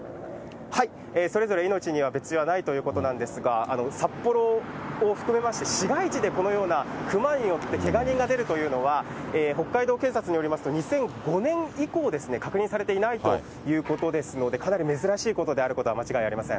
それぞれ命には別状はないということなんですが、札幌を含めまして、市街地でこのような熊によってけが人が出るというのは、北海道警察によりますと、２００５年以降、確認されていないということですので、かなり珍しいことであることは間違いありません。